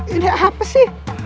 ini apa sih